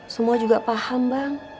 semua juga paham bang